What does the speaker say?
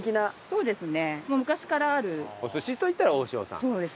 そうですね。